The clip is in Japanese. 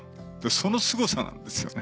そのすごさなんですよね。